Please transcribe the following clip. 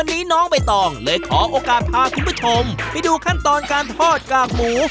วันนี้น้องใบตองเลยขอโอกาสพาคุณผู้ชมไปดูขั้นตอนการทอดกากหมู